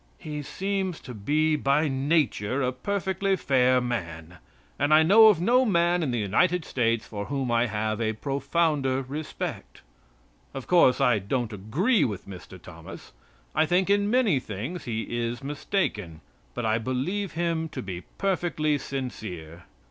He seems to be by nature a perfectly fair man; and I know of no man in the United States for whom I have a profounder respect. Of course I don't agree with Mr. Thomas. I think in many things he is mistaken. But I believe him to be perfectly sincere.